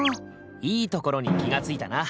いいところに気が付いたな。